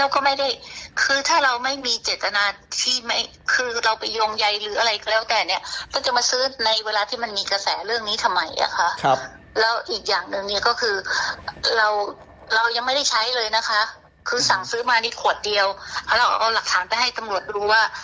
ก็คือเรายังไม่ได้ใช้เลยนะคะคือสั่งซื้อมานิดขวดเดียวแล้วเอาหลักฐานไปให้ตำรวจรู้ว่า